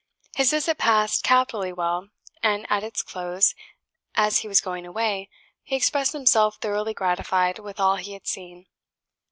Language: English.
His visit passed capitally well; and at its close, as he was going away, he expressed himself thoroughly gratified with all he had seen.